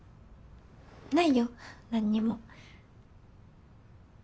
ないよ何にも。